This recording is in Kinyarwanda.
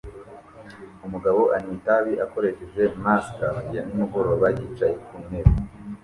Umugabo anywa itabi akoresheje maska ya nimugoroba yicaye ku ntebe